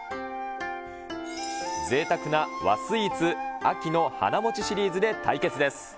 ぜいたくな和スイーツ、秋の華もちシリーズで対決です。